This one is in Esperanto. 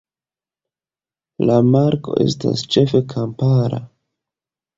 La komarko estas ĉefe kampara.